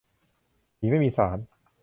ผีไม่มีศาล